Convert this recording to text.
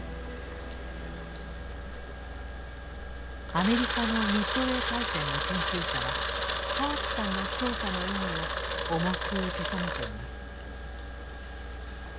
アメリカのミッドウェー海戦の研究者は澤地さんの調査の意味を重く受け止めています。